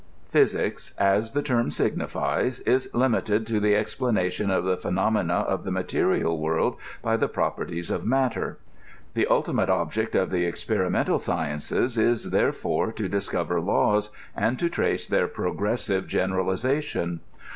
Physics, as the term signifies, is limited to the explanation of the phenomena of the material world by the properties of matter. The ultimate object of the experimental sciences is, therefore, to discover laws, and to trace their progressive generalization.